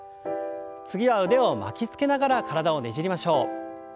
次は腕を巻きつけながら体をねじりましょう。